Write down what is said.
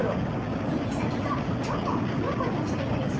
指先がちょっとプニョプニョしてるでしょ。